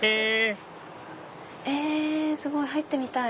え⁉すごい！入ってみたい